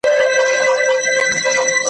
له وړو لویو مرغانو له تنزرو ,